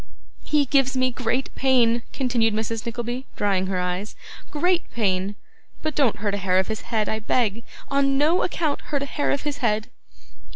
'He gives me great pain,' continued Mrs. Nickleby, drying her eyes, 'great pain; but don't hurt a hair of his head, I beg. On no account hurt a hair of his head.